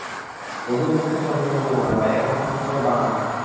গভীর দুঃখের সঙ্গে শশীর মনে হয়, একথা কুসুমের বানানো।